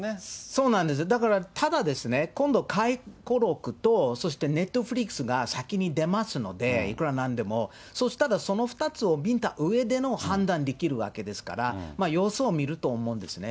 そうなんです、だから、ただ、今度、回顧録と、そしてネットフリックスが先に出ますので、いくらなんでも。そうしたら、その２つを見たうえでも判断できるわけですから、様子を見ると思うんですね。